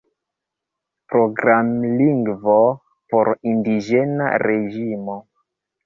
Programlingvo por indiĝena reĝimo.